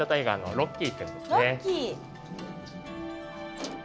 ロッキー。